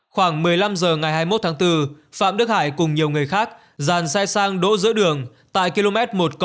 khoảng một mươi năm h ngày hai mươi một tháng bốn phạm đức hải cùng nhiều người khác dàn xe sang đỗ giữa đường tại km một trăm linh